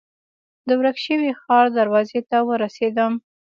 د ورک شوي ښار دروازې ته ورسېدم.